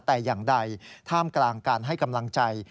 แต่อย่างใดท่ามกลางการให้กำลังใจ